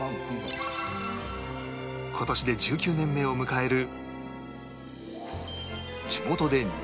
今年で１９年目を迎える